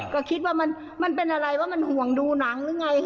ก็คิดว่ามันเป็นอะไรว่ามันห่วงดูหนังหรือไง